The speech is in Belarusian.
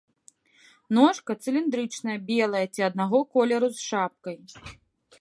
Ножка цыліндрычная, белая ці аднаго колеру з шапкай.